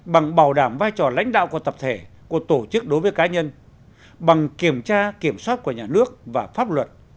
bằng bảo đảm vai trò lãnh đạo của tập thể của tổ chức đối với cá nhân bằng kiểm tra kiểm soát của nhà nước và pháp luật